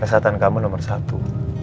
kesehatan kamu nomor satu